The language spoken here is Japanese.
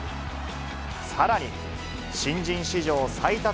さらに、新人史上最多